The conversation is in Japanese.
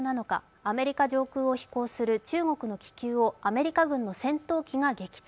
アメリカ上空を飛行する中国の気球をアメリカ軍の戦闘機が撃墜。